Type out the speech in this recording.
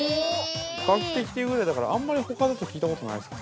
◆画期的というぐらいだからあんまり、ほかだと聞いたことがないですか。